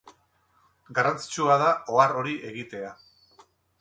Garrantzitsua da ohar hori egitea.